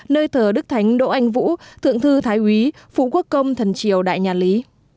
nơi thờ đức thánh đỗ anh vũ thượng thư thái úy phú quốc công thần triều đại nhà lý